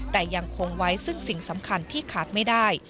แต่ยังคงไว้ซึ่งสิ่งสำคัญที่ขาดไม่ได้